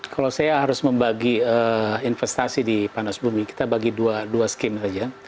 kalau saya harus membagi investasi di panas bumi kita bagi dua scheme saja